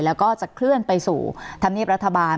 แล้วก็จะเคลื่อนไปสู่ธรรมเนียบรัฐบาล